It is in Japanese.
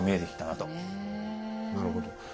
なるほど。